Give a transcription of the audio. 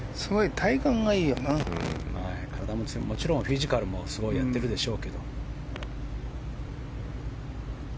体ももちろんフィジカルもやってるでしょうけど。